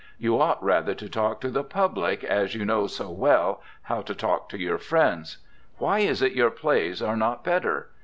You ought rather to talk to the public as you know so well how to talk to your friends. Why is it your plays are not better?